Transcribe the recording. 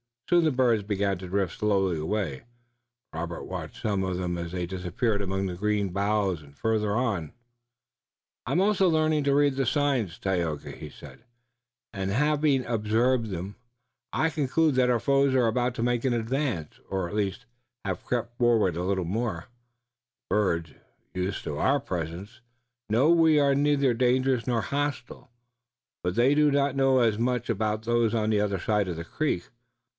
Soon the birds began to drift slowly away. Robert watched some of them as they disappeared among the green boughs farther on. "I also am learning to read the signs, Tayoga," he said, "and, having observed 'em, I conclude that our foes are about to make an advance, or at least, have crept forward a little more. The birds, used to our presence, know we are neither dangerous nor hostile, but they do not know as much about those on the other side of the creek.